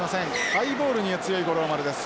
ハイボールには強い五郎丸です。